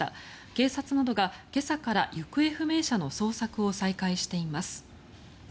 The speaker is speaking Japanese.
警察などが今朝から行方不明者の捜索を再開しています。